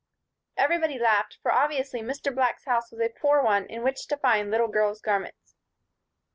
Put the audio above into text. Everybody laughed, for obviously Mr. Black's house was a poor one in which to find little girls' garments.